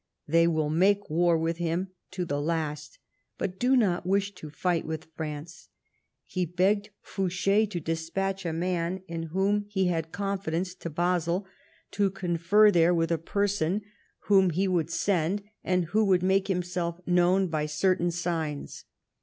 They will make war with him to the last, but do not wish to fight with France.'* He beo ffcd Fouche to despatch a man in whom he had confidence to Basel to confer there with a person whom TIIE HUNDBED DAYS. 139 he would send, and who would make himself known by certain signs.